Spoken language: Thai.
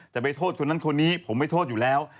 จะไปโทษคนนั้นคนนี้ผมไม่โทษอยู่แล้ว